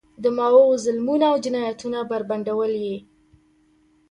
د ماوو ظلمونه او جنایتونه بربنډول یې.